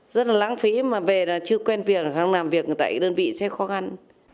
rất là lãng phí mà về là chưa quen việc không làm việc tại đơn vị sẽ khó khăn